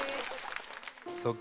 「そっか。